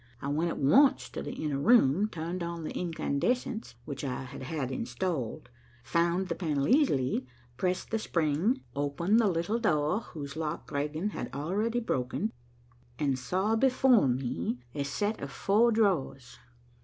I went at once to the inner room, turned on the incandescents, which I had had installed, found the panel easily, pressed the spring, opened the little door whose lock Griegen had already broken, and saw before me a set of four drawers.